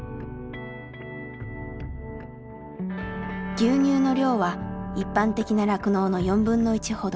牛乳の量は一般的な酪農の４分の１ほど。